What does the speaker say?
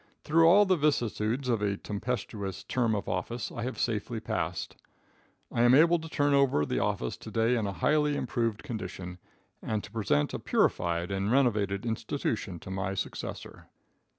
Through all the vicissitudes of a tempestuous term of office I have safely passed. I am able to turn over the office to day in a highly improved condition, and to present a purified and renovated institution to my successor.